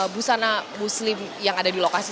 busana muslim yang ada di lokasi